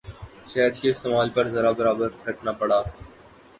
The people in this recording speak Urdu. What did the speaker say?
شہد کے استعمال پر ذرہ برابر فرق نہ پڑا۔